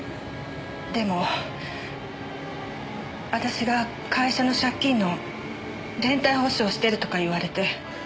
でも私が会社の借金の連帯保証してるとか言われて。